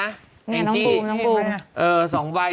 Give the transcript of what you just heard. จริงอย่างน้องบูมน้องบูม